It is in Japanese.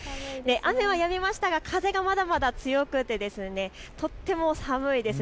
雨はやみましたが風がまだまだ強くて、とっても寒いです。